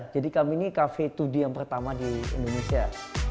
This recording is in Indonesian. jadi kami ini cafe dua d yang pertama di indonesia